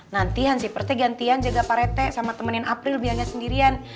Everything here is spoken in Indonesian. nanti hansi persnya gantian jaga pak retek sama temenin april biar dia sendirian